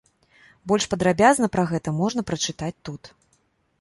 Больш падрабязна пра гэта можна прачытаць тут.